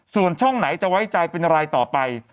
ส่วนช่องไหนจะไว้ใจเป็นอะไรต่อไป